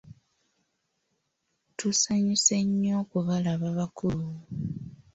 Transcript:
Tusanyuse nnyo okubalaba bakulu!